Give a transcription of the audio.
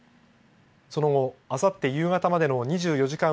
その後、あさって夕方までの２４時間